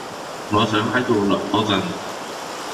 我想喺度留多陣